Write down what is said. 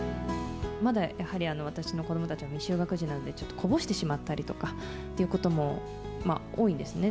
まだ、やはり私の子どもたちは未就学児なので、ちょっとこぼしてしまったりとかということも多いんですね。